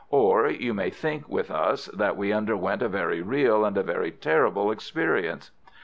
Or you may think with us that we underwent a very real and a very terrible experience.